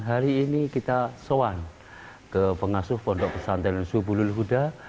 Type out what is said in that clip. hari ini kita soan ke pengasuh pondok pesantren subulul huda